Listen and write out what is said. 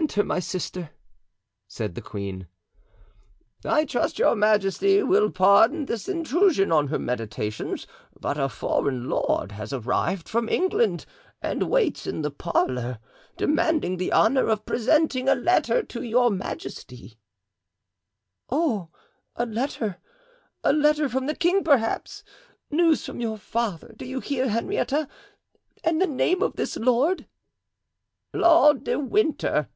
"Enter, my sister," said the queen. "I trust your majesty will pardon this intrusion on her meditations, but a foreign lord has arrived from England and waits in the parlor, demanding the honor of presenting a letter to your majesty." "Oh, a letter! a letter from the king, perhaps. News from your father, do you hear, Henrietta? And the name of this lord?" "Lord de Winter."